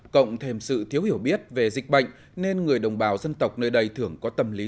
cộng thêm sự thiếu hiểu biết về dịch bệnh nên người đồng bào dân tộc nơi đây thường có tâm lý